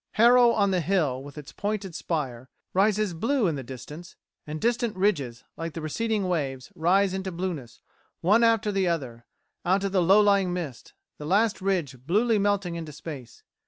"Harrow on the Hill, with its pointed spire, rises blue in the distance; and distant ridges, like the receding waves, rise into blueness, one after the other, out of the low lying mist; the last ridge bluely melting into space.